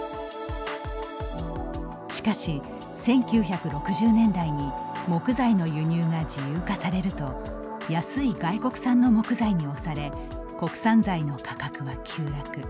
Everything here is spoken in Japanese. しかし、１９６０年代に木材の輸入が自由化されると安い外国産の木材に押され国産材の価格は急落。